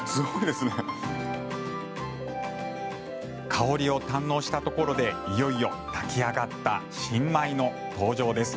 香りを堪能したところでいよいよ炊き上がった新米の登場です。